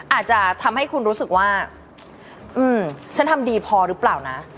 อาจจะทำให้คุณรู้สึกว่าฉันทำดีพอหรือเปล่านะ